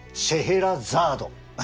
「シェエラザード」！